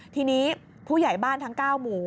ทีนี้ผู้ใหญ่บ้านทั้ง๙หมู่